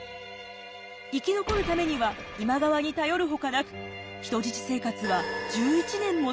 生き残るためには今川に頼るほかなく人質生活は１１年も続きました。